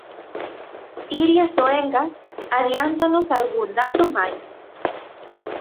Iria Soengas, adiántanos algún dato máis.